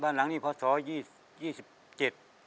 บ้านหลังนี้พศยี่สิบเจ็ด